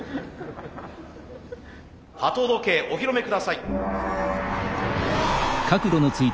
鳩時計お披露目下さい。